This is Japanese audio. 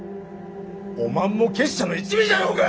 おまんも結社の一味じゃろうが！？